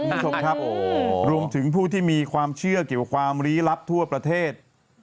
นะครับโอ้โหรวมถึงผู้ที่มีความเชื่อเกี่ยวกับความลี้รับทั่วประเทศ